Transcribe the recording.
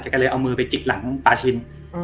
ก็เลยเอามือไปจิกหลังปลาชิน